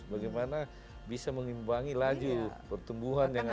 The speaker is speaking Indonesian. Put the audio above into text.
bagaimana bisa mengimbangi laju pertumbuhan yang ada